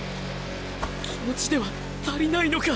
気持ちでは足りないのか？